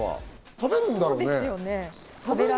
食べるんだろうね。